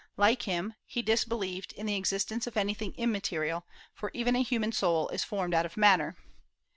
Like him, he disbelieved in the existence of anything immaterial, for even a human soul is formed out of matter.